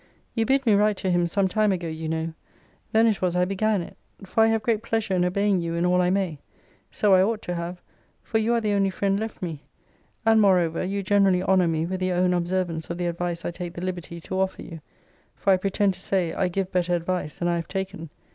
You bid me write to him some time ago, you know. Then it was I began it: for I have great pleasure in obeying you in all I may. So I ought to have; for you are the only friend left me. And, moreover, you generally honour me with your own observance of the advice I take the liberty to offer you: for I pretend to say, I give better advice than I have taken.